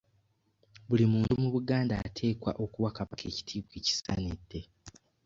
Buli muntu mu Buganda ateekwa okuwa kabaka ekitiibwa ekisaanidde.